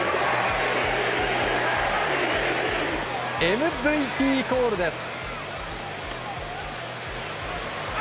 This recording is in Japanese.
ＭＶＰコールです！